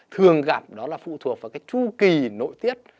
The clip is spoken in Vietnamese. thường gặp đó là phụ thuộc vào cái chu kỳ nội tiết